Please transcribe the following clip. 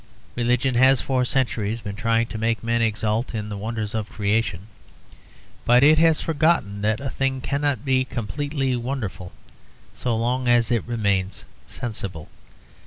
Religion has for centuries been trying to make men exult in the 'wonders' of creation, but it has forgotten that a thing cannot be completely wonderful so long as it remains sensible.